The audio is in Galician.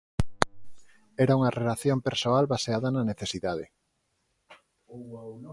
Era unha relación persoal baseada na necesidade.